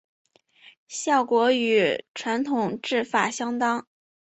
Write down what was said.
效果与传统制法相当。